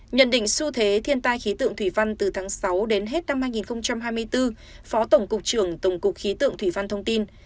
nhận định xu thế thiên tai khí tượng thủy văn từ tháng sáu đến hết năm hai nghìn hai mươi bốn phó tổng cục trưởng tổng cục khí tượng thủy văn thông tin